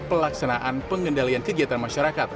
pelaksanaan pengendalian kegiatan masyarakat